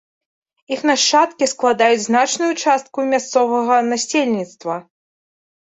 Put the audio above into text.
Іх нашчадкі складаюць значную частку мясцовага насельніцтва.